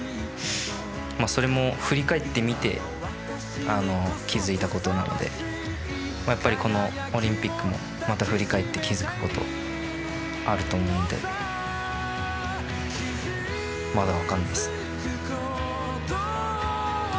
それも振り返ってみて気付いたことなのでやっぱりこのオリンピックもまた振り返って気付くことあると思うのでまだ分からないですね。